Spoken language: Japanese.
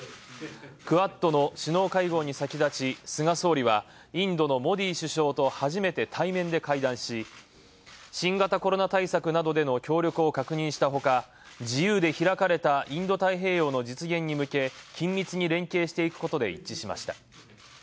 クアッドの首脳会合に先立ち、菅総理はインドのモディ首相と対面で会談し新型コロナ対策などの協力を確認したほか自由で開かれたインド太平洋の実現に向け緊密に連携していくことで一致しました。